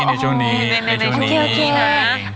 ในช่วงนี้ค่ะ